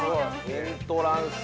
◆エントランス。